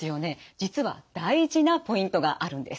実は大事なポイントがあるんです。